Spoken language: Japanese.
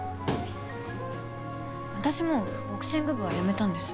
私もうボクシング部はやめたんです。